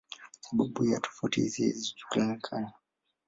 Sababu ya tofauti hizi haijulikani.